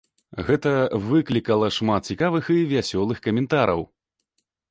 Гэта выклікала шмат цікавых і вясёлых каментараў.